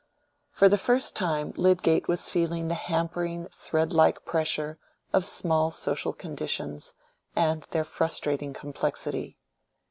For the first time Lydgate was feeling the hampering threadlike pressure of small social conditions, and their frustrating complexity.